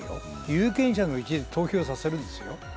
有権者に投票させるんですよ。